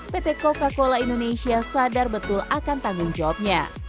pt coca cola indonesia sadar betul akan tanggung jawabnya